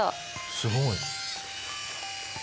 すごい。